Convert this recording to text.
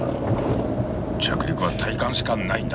着陸は体感しかないんだ。